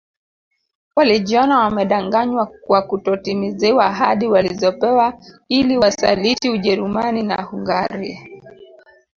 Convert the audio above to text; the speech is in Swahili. Walijiona wamedanganywa kwa kutotimiziwa ahadi walizopewa ili Wasaliti Ujerumani na Hungaria